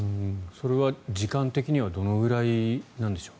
それは時間的にはどのくらいなんでしょう。